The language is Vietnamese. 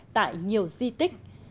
tại nhiều di tích